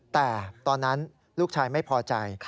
แต่ตอนนั้นลูกชายไม่พอใจ